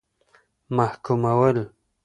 محکومول.